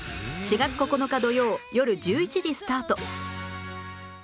４月９日土曜よる１１時スタート